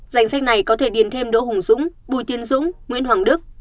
danh sách này có thể điền thêm đỗ hùng dũng bùi tiến dũng nguyễn hoàng đức